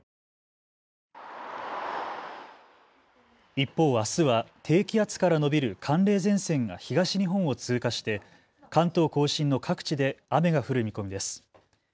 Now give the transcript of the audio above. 一方、あすは低気圧から延びる寒冷前線が東日本を通過して関東甲信の各地で雨が降る見込みです。